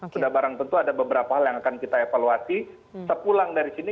sudah barang tentu ada beberapa hal yang akan kita evaluasi sepulang dari sini